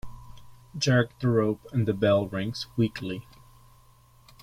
Jerk the rope and the bell rings weakly.